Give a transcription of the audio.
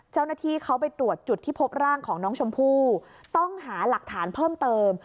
เจ้าหน้าที่เขาไปตรวจจุดที่พบร่างของน้องชมพู่ต้องหาหลักฐานเพิ่มเติม